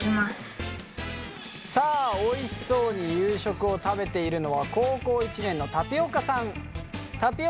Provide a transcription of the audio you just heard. さあおいしそうに夕食を食べているのは高校１年のたぴおかさん。